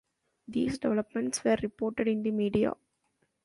These developments were reported in the media.